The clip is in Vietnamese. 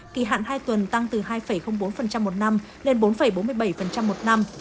kỳ hạn hai tuần tăng từ hai bốn một năm lên bốn bốn mươi bảy một năm